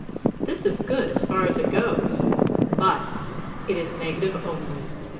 This is good as far as it goes, but it is negative only.